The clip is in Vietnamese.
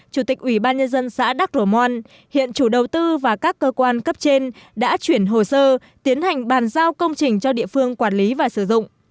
chủ tịch ủy ban nhân dân xã đắk rổ mon hiện chủ đầu tư và các cơ quan cấp trên đã chuyển hồ sơ tiến hành bàn giao công trình cho địa phương quản lý và sử dụng